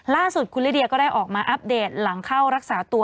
ล่าสุดคุณลิเดียก็ได้ออกมาอัปเดตหลังเข้ารักษาตัว